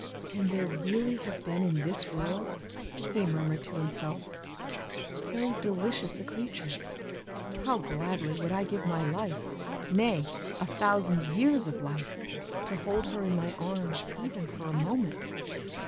"Can there really have been in this world," he murmured to himself, "so delicious a creature? How gladly would I give my life nay, a thousand years of life! to hold her in my arms even for a moment!"